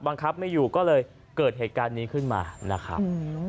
บังคับไม่อยู่ก็เลยเกิดเหตุการณ์นี้ขึ้นมานะครับ